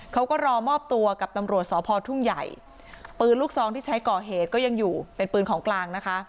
เขาก็รอมอบตัวกับตำรวจสพทุ่งใหญ่ปืนลูกซองที่ใช้ก่อเหตุก็ยังอยู่เป็นปืนของกลางนะคะ